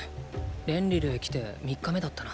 レンリルへ来て３日目だったな。